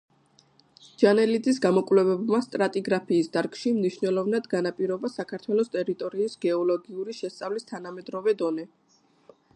ჯანელიძის გამოკვლევებმა სტრატიგრაფიის დარგში მნიშვნელოვნად განაპირობა საქართველოს ტერიტორიის გეოლოგიური შესწავლის თანამედროვე დონე.